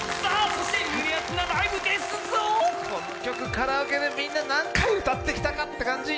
この曲、カラオケでみんな何回歌ってきたって感じ。